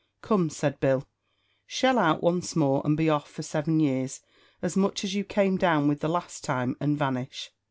"Come," said Bill, "shell out once more, and be off for seven years. As much as you came down with the last time, and vanish."